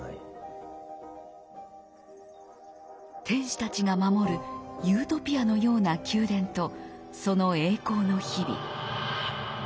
天使たちが守るユートピアのような宮殿とその栄光の日々。